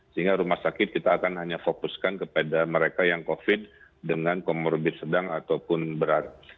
sehingga rumah sakit kita akan hanya fokuskan kepada mereka yang covid dengan comorbid sedang ataupun berat